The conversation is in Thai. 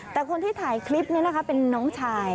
แต่คนที่ถ่ายคลิปนี้นะคะเป็นน้องชาย